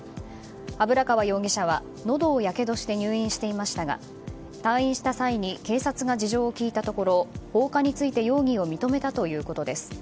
油川容疑者は、のどをやけどして入院していましたが退院した際に警察が事情を聴いたところ放火について容疑を認めたということです。